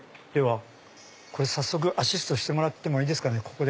早速アシストしてもらってもいいですかね。